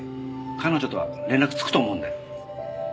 彼女とは連絡つくと思うんで。